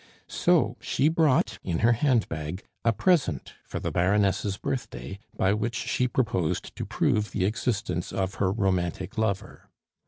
So she brought in her handbag a present for the Baroness' birthday, by which she proposed to prove the existence of her romantic lover.